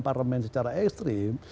parlemen secara ekstrim